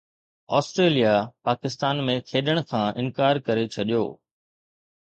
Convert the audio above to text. Australia Pakistan ۾ کيڏڻ کان انڪار ڪري ڇڏيو